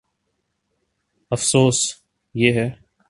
افسوس، یہ ہے۔